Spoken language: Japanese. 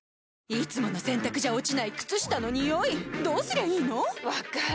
いつもの洗たくじゃ落ちない靴下のニオイどうすりゃいいの⁉分かる。